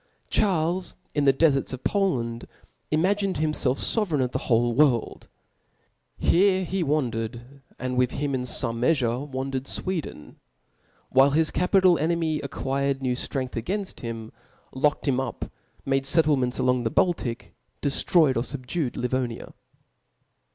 Charles, in the deferts of Poland, imagined hirofclf fovereign of the whole world : here he. wandered, and with hiai in foine meafurc wandered Sweden ; whilft O F L A W ^.. io9 whilft his capital enemy acquired new ftrength Book againft him, locked him up, made fettlemchtscha^'13, along the Baltic^ deftroyed or fubdued Livonia.